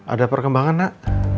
ada perkembangan nak